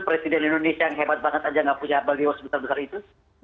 presiden indonesia yang hebat banget aja gak punya baliho sebesar besar itu